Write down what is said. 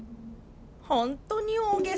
本当に大げさ！